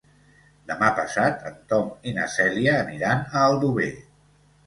Demà passat en Tom i na Cèlia aniran a Aldover.